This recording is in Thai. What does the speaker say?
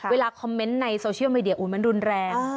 เวลาคอมเมนต์ในโซเชียลมีเดียอุ๊ยมันรุนแรง